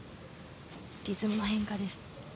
リズムの変化です。